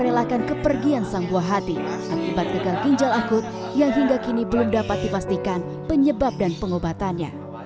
merelakan kepergian sang buah hati akibat gagal ginjal akut yang hingga kini belum dapat dipastikan penyebab dan pengobatannya